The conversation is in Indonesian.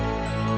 sampai jumpa lagi